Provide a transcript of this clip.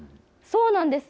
そうなんです。